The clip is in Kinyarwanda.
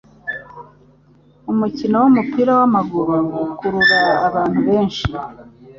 Umukino wumupira wamaguru ukurura abantu benshi.